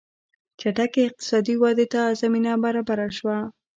چټکې اقتصادي ودې ته زمینه برابره شوه.